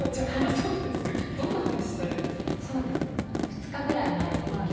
どんな話をされるんですか。